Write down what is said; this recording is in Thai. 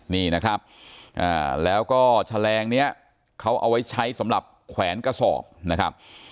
นี่นะครับแล้วก็แฉลงนี้เขาเอาไว้ใช้สำหรับแขวนกระสอบนะครับ